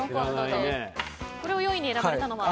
これを４位に選ばれたのは？